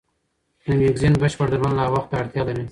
د مېګرین بشپړ درملنه لا وخت ته اړتیا لري.